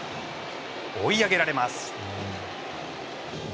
追い上げられます。